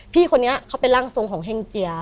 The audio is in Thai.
พี่คนนี้เขาเป็นร่างทรงของเฮ่งเจีย